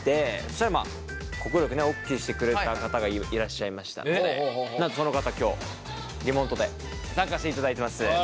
そしたら快くオッケーしてくれた方がいらっしゃいましたのでなんとその方今日リモートで参加していただいてます。